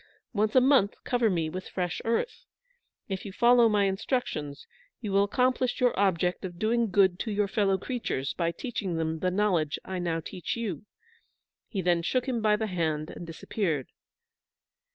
Once a month cover me with fresh earth. If you follow my instructions, you will accomplish your object of doing good to your fellow creatures by teaching them the knowledge I now teach you." He then shook him by the hand and disappeared.